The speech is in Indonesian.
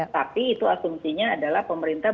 tapi itu asumsinya adalah pemerintah